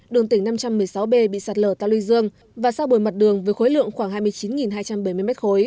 đường tỉnh năm trăm một mươi sáu b bị sạt lở ta lưu dương và sau bồi mặt đường với khối lượng khoảng hai mươi chín hai trăm bảy mươi m ba